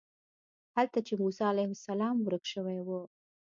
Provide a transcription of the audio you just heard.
هلته چې موسی علیه السلام ورک شوی و.